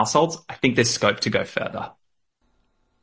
saya pikir ada skopi untuk berlanjut